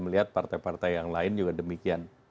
melihat partai partai yang lain juga demikian